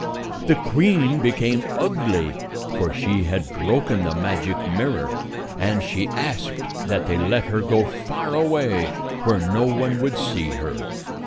The queen became ugly, for she had broken the magic mirror, and she asked that they let her go far away, where no one would see her.